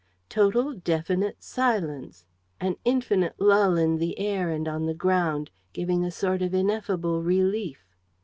Total, definite silence, an infinite lull in the air and on the ground, giving a sort of ineffable relief!